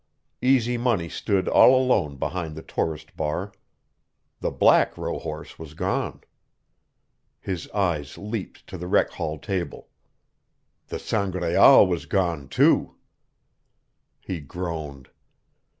Easy Money stood all alone behind the tourist bar. The black rohorse was gone. His eyes leaped to the rec hall table. The Sangraal was gone, too. He groaned.